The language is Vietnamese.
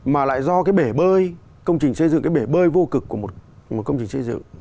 mà lại do cái bể bơi công trình xây dựng cái bể bơi vô cực của một công trình xây dựng